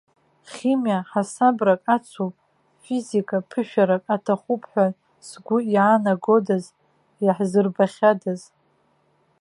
Химиа ҳасабрак ацуп, физика ԥышәарак аҭахуп ҳәа згәы иаанагодаз, иаҳзырбахьадаз.